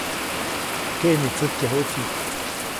Keʼnitsäjkyajuʼtsi.